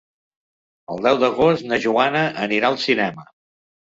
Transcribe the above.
El deu d'agost na Joana anirà al cinema.